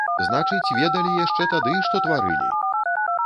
Значыць, ведалі яшчэ тады, што тварылі!